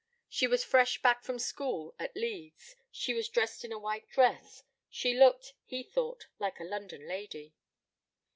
She was fresh back from school at Leeds: she was dressed in a white dress: she looked, he thought, like a London lady.